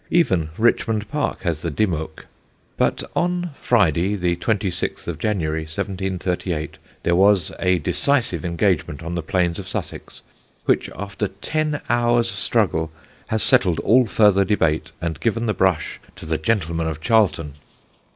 Even Richmond Park has the Dymoke. But on Friday, the 26th of January, 1738, there was a decisive engagement on the plains of Sussex, which, after ten hours' struggle, has settled all further debate and given the brush to the gentlemen of Charlton.